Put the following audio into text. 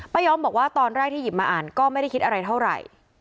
ยอมบอกว่าตอนแรกที่หยิบมาอ่านก็ไม่ได้คิดอะไรเท่าไหร่